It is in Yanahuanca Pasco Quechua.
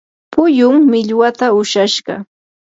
puyum millwata ushashqa.